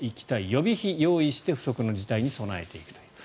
予備費を用意して不測の事態に備えていくという。